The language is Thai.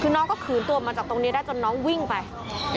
คือน้องก็ขืนตัวมาจากตรงนี้ได้จนน้องวิ่งไป